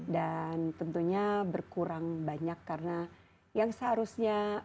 dan tentunya berkurang banyak karena yang seharusnya